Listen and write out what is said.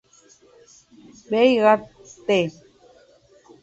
Veiga, Tte.